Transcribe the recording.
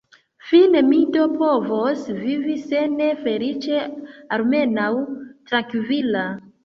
Fine mi do povos vivi se ne feliĉa, almenaŭ trankvila.